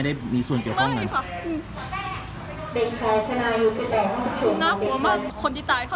แล้วทวนหนูก็เลยบวนวายค่ะ